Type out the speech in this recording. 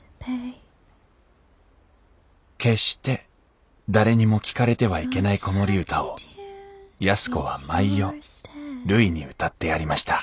決して誰にも聞かれてはいけない子守歌を安子は毎夜るいに歌ってやりました。